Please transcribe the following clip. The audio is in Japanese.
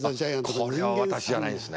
これは私じゃないんですね。